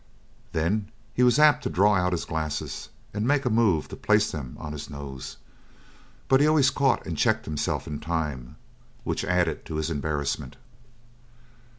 Then he was apt to draw out his glasses and make a move to place them on his nose, but he always caught and checked himself in time which added to his embarrassment.